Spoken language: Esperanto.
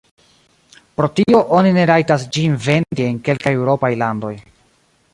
Pro tio oni ne rajtas ĝin vendi en kelkaj eŭropaj landoj.